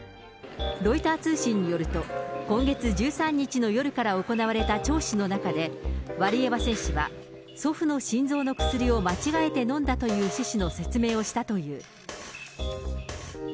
ロイター通信によると、今月１３日の夜から行われた聴取の中で、ワリエワ選手は祖父の心臓の薬を間違えて飲んだという趣旨の説明をしたという。